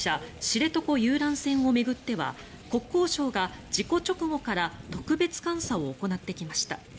知床遊覧船を巡っては国交省が事故直後から特別監査を行ってきました。